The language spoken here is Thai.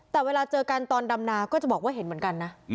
แต่เวลาเจอกันตอนดำนาก็จะบอกว่าเห็นเหมือนกันนะ